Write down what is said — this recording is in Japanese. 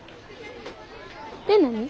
って何？